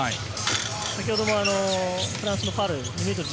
先ほどもフランスのファウル。